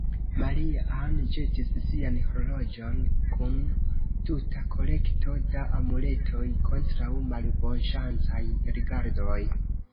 Maria-Ann ĵetis sian horloĝon, kun tuta kolekto da amuletoj kontraŭ malbonŝancaj rigardoj.